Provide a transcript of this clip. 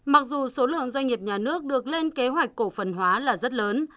mặc dù số lượng doanh nghiệp nhà nước được lên kế hoạch cổ phần hóa là rất lớn